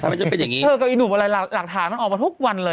ทำให้ฉันเป็นอย่างงี้เธอกับอีกหนุ่มอะไรหลักหามันออกมาทุกวันเลย